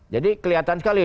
jadi kelihatan sekali